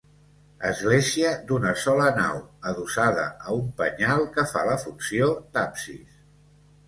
Església d'una sola nau, adossada a un penyal que fa la funció d'absis.